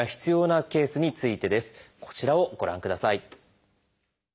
こちらをご覧ください。